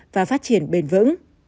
và phát triển bền vững